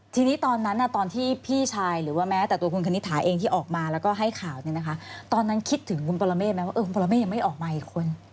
ทีนี้ตอนนั้นตอนที่พี่ชายหรือว่าแม้แต่ตัวคุณคณิตหาเองที่ออกมาแล้วก็ให้ข่าวเนี่ยนะคะตอนนั้นคิดถึงคุณปรเมฆไหมว่าคุณปรเมฆยังไม่ออกมาอีกคน